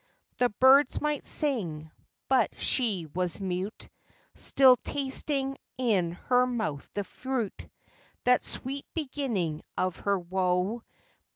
The birds might sing, but she was mute, Still tasting in her mouth the fruit, That sweet beginning of her woe.